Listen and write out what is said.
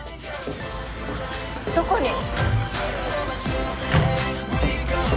どこに？